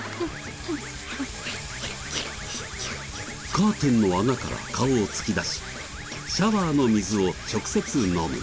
カーテンの穴から顔を突き出しシャワーの水を直接飲む。